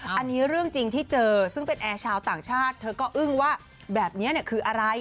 อันนี้เรื่องจริงที่เจอซึ่งเป็นแอร์ชาวต่างชาติเธอก็อึ้งว่าแบบนี้คืออะไร